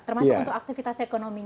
termasuk untuk aktivitas ekonominya